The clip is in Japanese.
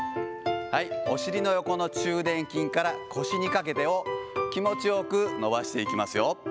はい、お尻の横の中殿筋から腰にかけてを気持ちよく伸ばしていきますよ。